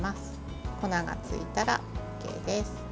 粉がついたらＯＫです。